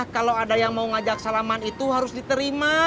kalau ada yang mau ngajak salaman itu harus diterima